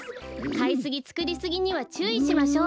かいすぎつくりすぎにはちゅういしましょう。